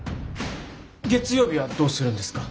月曜日はどうするんですか？